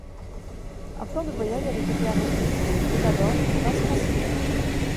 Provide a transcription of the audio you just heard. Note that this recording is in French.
Un plan de voyage avait été arrêté, pour visiter d’abord les provinces transylvaines.